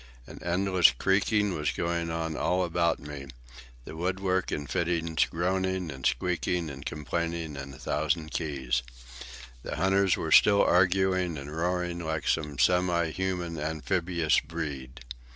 An endless creaking was going on all about me, the woodwork and the fittings groaning and squeaking and complaining in a thousand keys. The hunters were still arguing and roaring like some semi human amphibious breed.